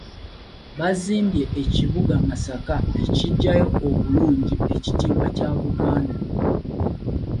Bazimbe ekibuga Masaka ekiggyayo obulungi ekitiibwa kya Buganda.